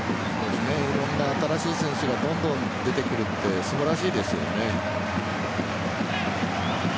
いろんな新しい選手がどんどん出てくるって素晴らしいですよね。